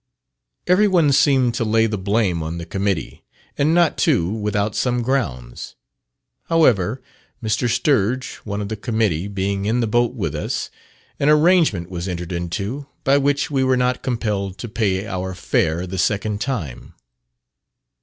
Every one seemed to lay the blame on the committee, and not, too, without some just grounds. However, Mr. Sturge, one of the committee, being in the boat with us, an arrangement was entered into, by which we were not compelled to pay our fare the second time.